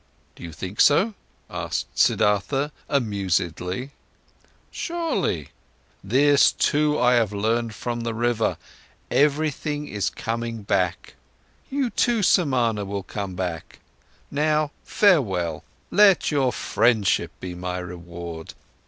"Do you think so?" asked Siddhartha amusedly. "Surely. This too, I have learned from the river: everything is coming back! You too, Samana, will come back. Now farewell! Let your friendship be my reward.